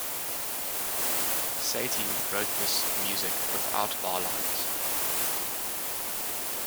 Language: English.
Satie wrote this music without bar-lines.